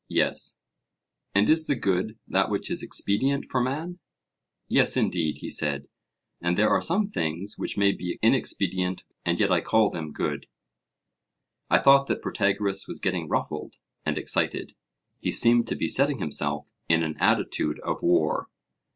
Yes. And is the good that which is expedient for man? Yes, indeed, he said: and there are some things which may be inexpedient, and yet I call them good. I thought that Protagoras was getting ruffled and excited; he seemed to be setting himself in an attitude of war.